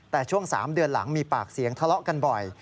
แต่ช่วง๓เดือนหลังมีปากเสียงทะเลาะกันบ่อย